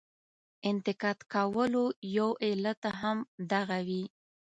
انتقاد کولو یو علت هم دغه وي.